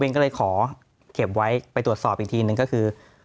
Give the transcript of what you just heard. ผมก็เลยขอเข็มไว้ไปตรวจสอบอีกทีหนึ่งคือ